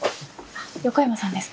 横山さんですか。